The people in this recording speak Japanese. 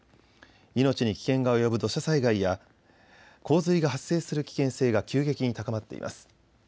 命に危険が及ぶ土砂災害や洪水が発生する危険性が急激に高まっています。